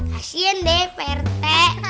kasian deh pak rete